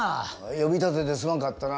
呼びたててすまんかったな。